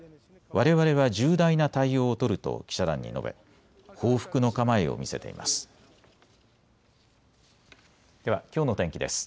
われわれは重大な対応を取ると記者団に述べ報復の構えを見せています。